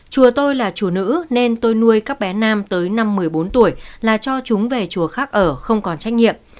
chùa tôi là chủ nữ nên tôi nuôi các bé nam tới năm một mươi bốn tuổi là cho chúng về chùa khác ở không còn trách nhiệm